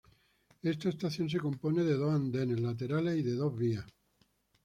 Esta estación se compone de dos andenes laterales y de dos vías.